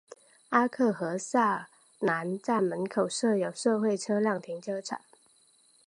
阿克和瑟南站门口设有社会车辆停车场。